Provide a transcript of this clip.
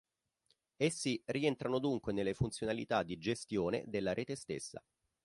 Essi rientrano dunque nelle funzionalità di "gestione" della rete stessa.